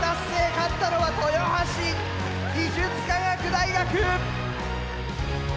勝ったのは豊橋技術科学大学！